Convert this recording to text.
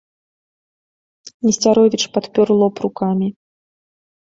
Несцяровіч падпёр лоб рукамі.